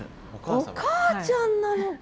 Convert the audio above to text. お母ちゃんなのか。